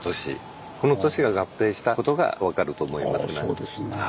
あそうですね。